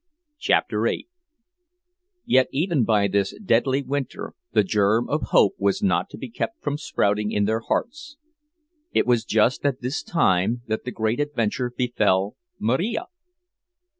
CHAPTER VIII Yet even by this deadly winter the germ of hope was not to be kept from sprouting in their hearts. It was just at this time that the great adventure befell Marija.